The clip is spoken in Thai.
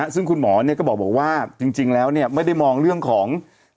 ซึ่งคุณหมอก็บอกว่าจริงแล้วไม่ได้มองเรื่องของ